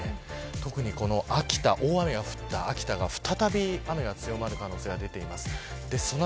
特に秋田、大雨が降った秋田が再び雨が強まる可能性があります。